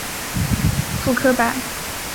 傅科摆